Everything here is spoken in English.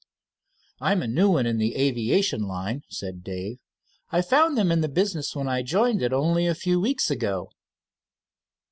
"I'm a new one in the aviation line," said Dave. "I found them in the business when I joined it, only a few weeks ago."